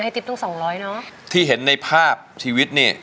ติ๊บต้องสองร้อยเนอะที่เห็นในภาพชีวิตนี่